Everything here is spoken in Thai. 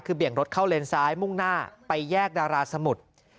คือเบี่ยงรถเข้าเลนซ้ายมุ่งหน้าไปแยกดาราสมุทร